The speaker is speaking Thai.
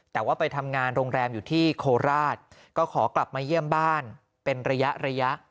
แต่ว่าไปทำงานโรงแรมอยู่ที่โคราชก็ขอกลับมาเยี่ยมบ้านเป็นระยะระยะ